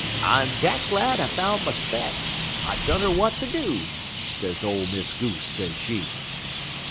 'I'm dat glad I foun' my specks I dunner w'at ter do,' sez ole Miss Goose, sez she.